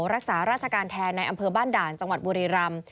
รักษาราชการแทนในอำเภอบ้านด่านจังหวัดบุรีรำ